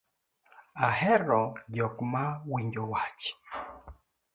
Ahero jok ma winjo wach